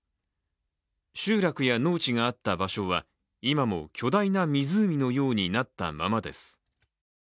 集落や農地があった場所は今も巨大な湖のようになったままです。